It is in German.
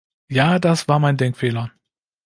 Ja, das war mein Denkfehler.